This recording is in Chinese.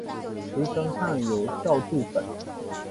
石声汉有校注本。